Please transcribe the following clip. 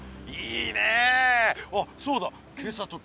いいね！